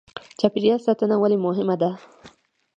د چاپیریال ساتنه ولې مهمه ده